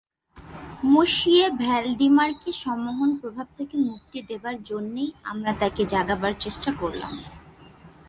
মঁশিয়ে ভ্যালডিমারকে সম্মোহন প্রভাব থেকে মুক্তি দেবার জন্যেই আমরা তাঁকে জাগাবার চেষ্টা করলাম।